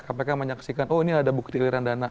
kpk menyaksikan oh ini ada bukti iliran dana